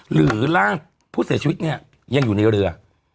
หรือร่างผู้เสียชีวิตเนี่ยยังอยู่ในเรือ